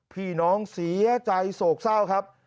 พี่น้องเสียใจโศกเศร้าครับ